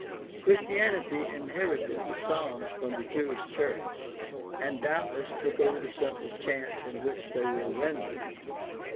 Christianity inherited the Psalms from the Jewish church and doubtless took over the simple chants in which they were rendered.